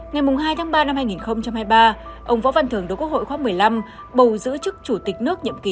ngày hai ba hai nghìn hai mươi ba ông võ văn thường đối quốc hội khóa một mươi năm bầu giữ chức chủ tịch nước nhậm ký hai nghìn hai mươi một hai nghìn hai mươi sáu